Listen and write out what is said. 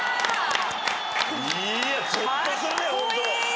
いやゾッとするねホントカッコイイ！